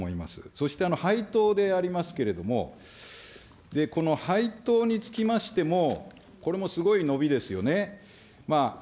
そして配当でありますけれども、この配当につきましても、これもすごい伸びですよね。